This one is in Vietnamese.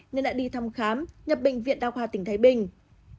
nên đã đi thăm khám nhập bệnh viện đa khoa tỉnh thái bình